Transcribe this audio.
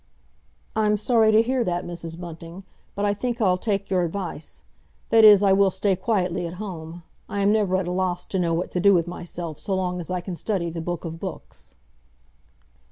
"I'm sorry to hear that, Mrs. Bunting. But I think I'll take your advice. That is, I will stay quietly at home, I am never at a loss to know what to do with myself so long as I can study the Book of Books."